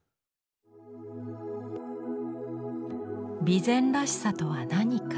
備前らしさとは何か？